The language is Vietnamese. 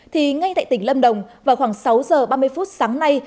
thì ngay tại tỉnh lâm đồng vào khoảng sáu giờ ba mươi phút sáng nay